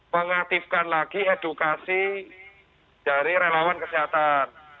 mengaktifkan lagi edukasi dari relawan kesehatan